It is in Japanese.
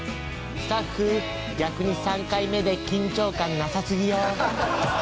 スタッフ、逆に３回目で緊張感なさすぎよ。